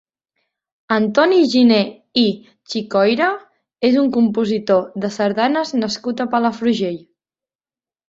Antoni Giner i Xicoira és un compositor de sardanes nascut a Palafrugell.